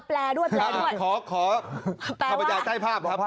แปลด้วยขอข่าวประดาษใต้ภาพ